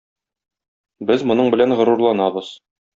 Без моның белән горурланабыз.